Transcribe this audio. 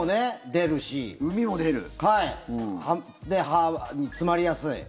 歯に詰まりやすい。